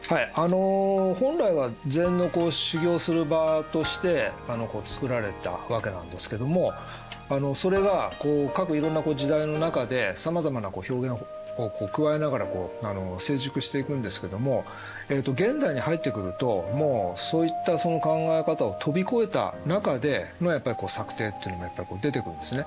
本来は禅の修行する場としてつくられたわけなんですけどもそれが各いろんな時代の中でさまざまな表現をくわえながら成熟していくんですけども現代に入ってくるともうそういったその考え方を飛び越えた中でのやっぱり作庭っていうのも出てくるんですね。